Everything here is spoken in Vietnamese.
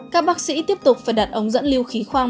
các bác sĩ tiếp tục phải đặt ống dẫn lưu khí khoang